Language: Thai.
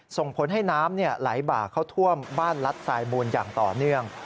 ส่งผลให้น้ำไหลบ่าเข้าท่วมบ้านลัดสายมูลอย่างต่อเนื่อง